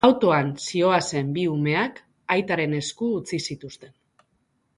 Autoan zihoazen bi umeak aitaren esku utzi zituzten.